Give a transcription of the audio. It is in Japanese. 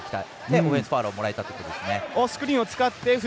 オフェンスファウルをもらえたってことですね。